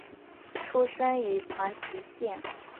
出身于长崎县。